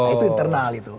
itu internal itu